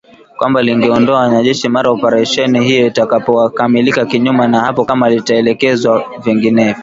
Kwamba lingeondoa wanajeshi mara operesheni hiyo itakapokamilika kinyume na hapo kama itaelekezwa vinginevyo.